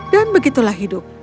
dan begitulah hidup